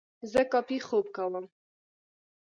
زه کافي خوب کوم.